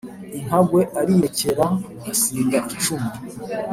Inkagwe arirekera asinda icumu